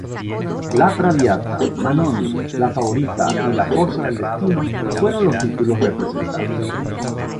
La Traviata, Manon, La favorita y La forza del destino fueron los títulos representados.